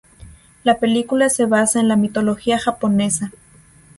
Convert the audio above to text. La película se basa en la mitología japonesa.